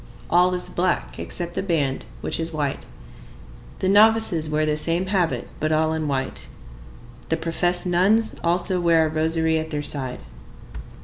All is black except the band, which is white. The novices wear the same habit, but all in white. The professed nuns also wear a rosary at their side.